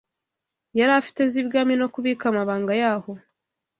yari afite z’ibwami no kubika amabanga yaho